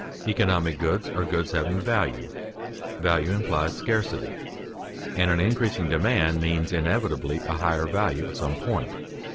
Economic goods are goods having value; value implies scarcity, and an increasing demand means inevitably a higher value at some point.